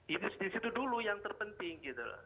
itu di situ dulu yang terpenting gitu